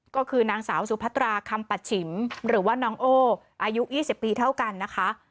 ก็คือนางสาวสุพัตราคำปัชฉิมหรือว่าน้องโอ้อายุ๒๐ปีเท่ากันนะคะ